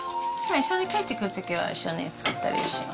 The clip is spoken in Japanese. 一緒に帰ってくるときは、一緒に作ったりはします。